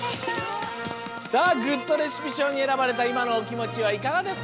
さあグッドレシピしょうにえらばれたいまのおきもちはいかがですか？